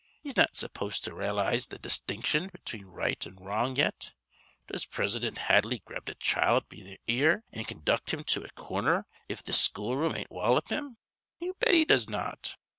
He's not supposed to ralize th' distinction between right an' wrong yet. Does Prisidint Hadley grab th' child be th' ear an' conduct him to a corner iv th' schoolroom an wallup him? Ye bet he does not.